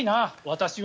私は。